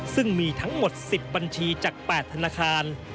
ซึ่งมีทั้งหมด๑๐บัญชีจาก๘ธนาคาร